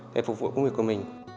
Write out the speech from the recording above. để phục vụ công việc của mình